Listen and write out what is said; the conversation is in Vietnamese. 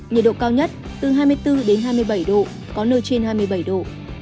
nhiệt độ cao nhất từ hai mươi bốn đến hai mươi bảy độ có nơi trên hai mươi bảy độ